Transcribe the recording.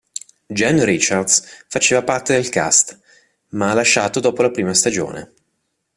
Jen Richards faceva parte del cast, ma ha lasciato dopo la prima stagione.